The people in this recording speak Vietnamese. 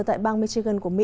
tại bang michigan của mỹ